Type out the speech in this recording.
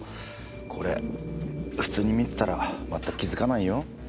これ普通に見てたらまったく気づかないよ。